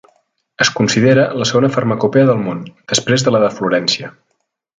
Es considera la segona farmacopea del món, després de la de Florència.